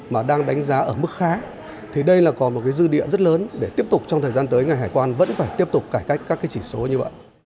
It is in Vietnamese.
mà đang đánh giá ở mức khá thì đây là còn một cái dư địa rất lớn để tiếp tục trong thời gian tới ngành hải quan vẫn phải tiếp tục cải cách các cái chỉ số như vậy